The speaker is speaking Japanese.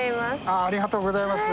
ありがとうございます。